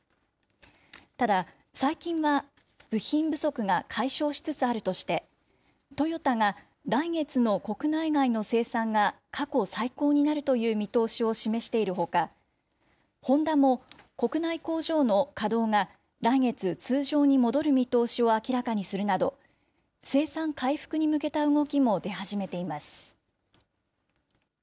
ただ、最近は部品不足が解消しつつあるとして、トヨタが来月の国内外の生産が過去最高になるという見通しを示しているほか、ホンダも国内工場の稼働が来月、通常に戻る見通しを明らかにするなど、生産回復に向けた動きも出始めています。